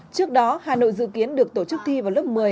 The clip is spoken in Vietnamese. trước đó hà nội dự kiến được tổ chức thi vào lớp một mươi